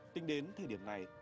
tính đến thời điểm này